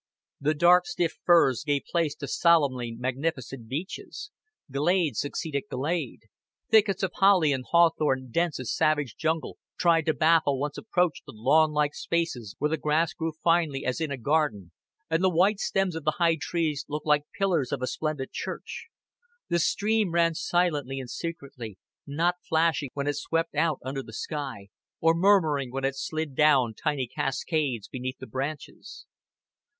The dark stiff firs gave place to solemnly magnificent beeches; glade succeeded glade; thickets of holly and hawthorn dense as a savage jungle tried to baffle one's approach to lawnlike spaces where the grass grew finely as in a garden, and the white stems of the high trees looked like pillars of a splendid church; the stream ran silently and secretly, not flashing when it swept out under the sky, or murmuring when it slid down tiny cascades beneath the branches.